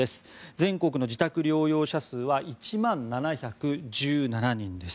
全国の自宅療養者数は１万７１７人です。